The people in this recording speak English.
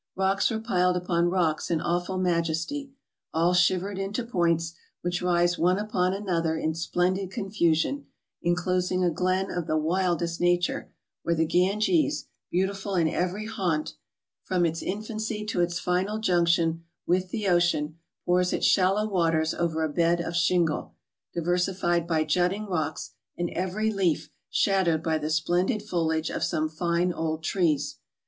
Kocks were piled upon rocks in awfid majesty, all shivered into points, which rise one upon another in splendid confusion, enclosing a glen of the wildest nature, where the Granges, beautiful in every haunt, from its infancy to its final junction with the ocean, pours its shallow waters over a bed of shingle, diversified by jutting rocks, and every leaf shadowed by the splendid foliage of some fine old trees.